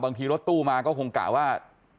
บางทีรถตู้มาก็คงกล่าวว่า